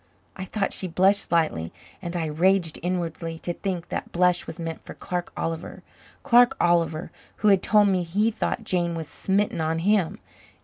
I thought she blushed slightly and I raged inwardly to think that blush was meant for Clark Oliver Clark Oliver who had told me he thought Jane was smitten on him!